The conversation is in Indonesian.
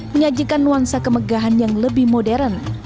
menyajikan nuansa kemegahan yang lebih modern